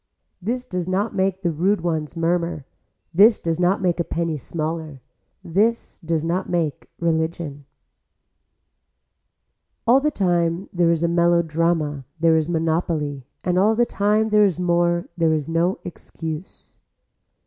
This does not make the rude ones murmur, this does not make a penny smaller, this does not make religion. All the time there is a melodrama there is monopoly and all the time there is more there is no excuse.